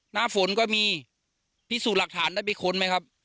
หน้าฝนก็มีพิสูจน์หลักฐานได้ไปค้นไหมครับ